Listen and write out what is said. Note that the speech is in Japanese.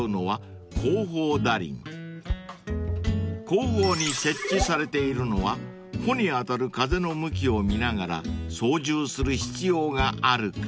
［後方に設置されているのは帆に当たる風の向きを見ながら操縦する必要があるからだそうです］